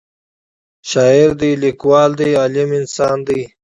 شاعر دی لیکوال دی عالم انسان دی